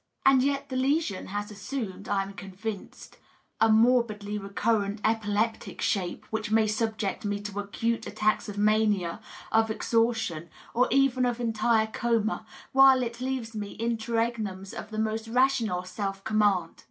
And yet the lesion has assumed^ I am convinced, a morbidly recurrent, epileptic shape, which may subject me to acute attacks of mania, of exhaustion, or even of entire coma, while it leaves me interregnums of the most rational self command.